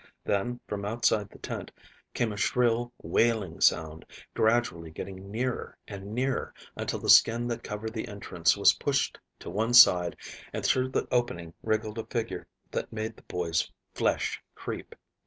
Then, from outside the tent came a shrill, wailing sound, gradually getting nearer and nearer, until the skin that covered the entrance was pushed to one side and through the opening wriggled a figure that made the boys' flesh creep.